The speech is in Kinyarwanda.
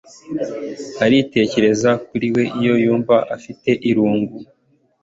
Aratekereza kuri we iyo yumva afite irungu